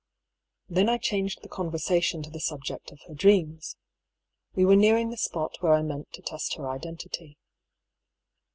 Then I changed the conversation to the subject of her dreams. We were nearing the spot where I meant to test her identity.